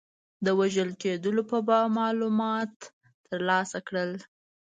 د وژل کېدلو په باب معلومات ترلاسه کړل.